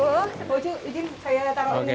pak ucu izin saya taruh di sini ya